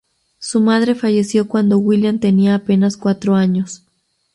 Su madre falleció cuando William tenía apenas cuatro años.